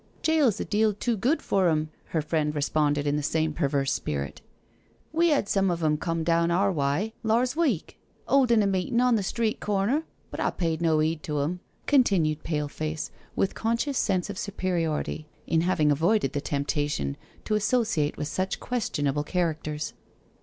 " Jail's a deal too good for 'em," her friend re sponded in the same perverse spirit. '' We 'ad some of 'em come down our wye lars week, 'oldin' a meetin' on the street corner, but I paid no 'eed to 'em,'* continued Pale face, with conscious sense of superiority in having avoided the temptation to associate with such questionable characters.